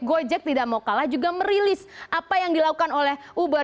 gojek tidak mau kalah juga merilis apa yang dilakukan oleh uber